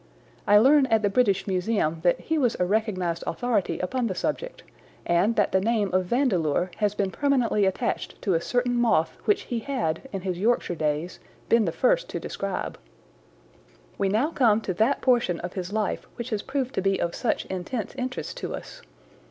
I learned at the British Museum that he was a recognized authority upon the subject, and that the name of Vandeleur has been permanently attached to a certain moth which he had, in his Yorkshire days, been the first to describe. "We now come to that portion of his life which has proved to be of such intense interest to us.